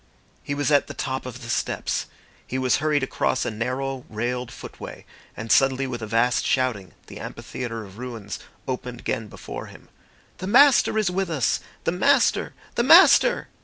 He was at the top of the steps. He was hurried across a narrow railed footway, and suddenly with a vast shouting the amphitheatre of ruins opened again before him. "The Master is with us! The Master! The Master!"